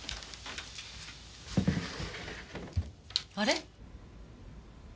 あれ？